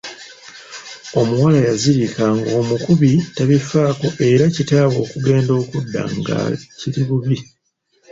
Omuwala yazirika ng’omukubi tabifaako era kitaabwe okugenda okudda nga kiri bubi.